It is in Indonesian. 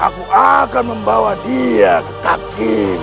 aku akan membawa dia ke kaki